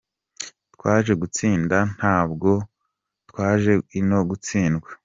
Twaje gutsinda ntabwo twaje ino gutsindwa.